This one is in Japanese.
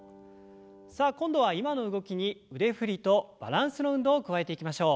さあ今度は今の動きに腕振りとバランスの運動を加えていきましょう。